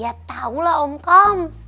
ya tau lah om kams